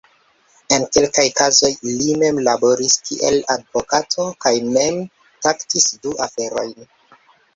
En kelkaj kazoj li mem laboris kiel advokato kaj mem traktis du aferojn.